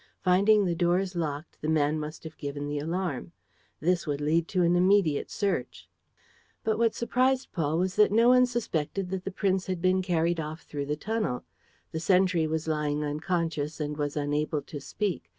Finding the doors locked, the man must have given the alarm. This would lead to an immediate search. But what surprised Paul was that no one suspected that the prince had been carried off through the tunnel. The sentry was lying unconscious and was unable to speak.